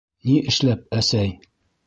— Ни эшләп, әсәй?